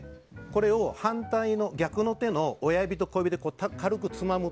これを反対の手の親指と小指で軽くつまむ。